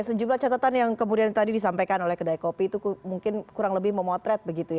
sejumlah catatan yang kemudian tadi disampaikan oleh kedai kopi itu mungkin kurang lebih memotret begitu ya